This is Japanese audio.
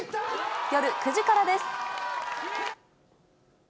夜９時からです。